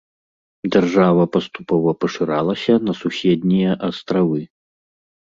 Дзяржава паступова пашыралася на суседнія астравы.